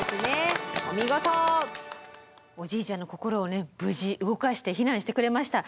おじいちゃんの心を無事動かして避難してくれました。